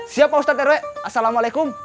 siap pak ustadz rw assalamualaikum